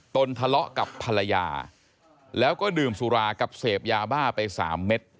ทะเลาะกับภรรยาแล้วก็ดื่มสุรากับเสพยาบ้าไปสามเม็ด